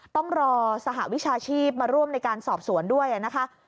ต้องรอสหวิชาชีพมาร่วมในการสอบสวนด้วยนะคะ